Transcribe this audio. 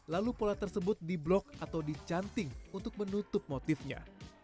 lalu pola tersebut diblok atau dicanting untuk menutup motifnya